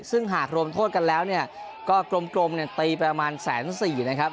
ซึ่งหากรวมโทษกันแล้วเนี่ยก็กลมเนี่ยตีไปประมาณแสนสี่นะครับ